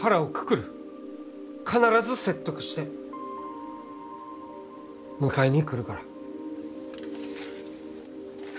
必ず説得して迎えに来るから。